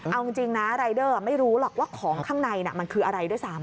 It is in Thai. เอาจริงนะรายเดอร์ไม่รู้หรอกว่าของข้างในมันคืออะไรด้วยซ้ำ